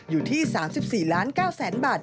อยู่ที่๓๔๙๐๐๐บาท